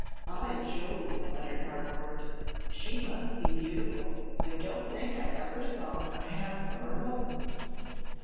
"By Jove!" muttered Harcourt, "she must be beautiful; I don't think I ever saw a handsomer woman!"